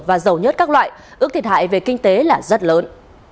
và dầu nhớt các loại ước thiệt hại về kinh tế là rất lớn